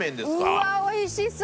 うわっおいしそう！